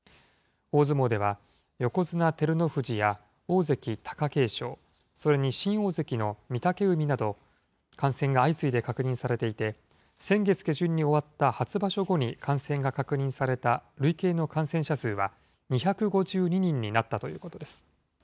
大相撲では横綱・照ノ富士や大関・貴景勝、それに新大関の御嶽海など、感染が相次いで確認されていて、先月下旬に終わった初場所後に感染が確認された累計の感染者数は、２５２人になったということです。